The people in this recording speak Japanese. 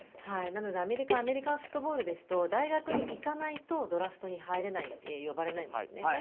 なので、アメリカはアメリカンフットボールですと大学に行かないとドラフトに呼ばれないんですね。